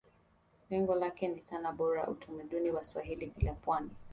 Lengo lake ni sanaa bora ya utamaduni wa Swahili na pwani